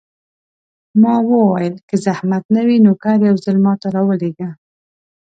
ما وویل: که زحمت نه وي، نوکر یو ځل ما ته راولېږه.